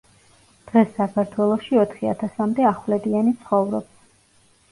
დღეს საქართველოში ოთხი ათასამდე ახვლედიანი ცხოვრობს.